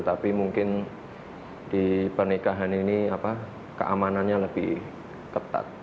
tapi mungkin di pernikahan ini keamanannya lebih ketat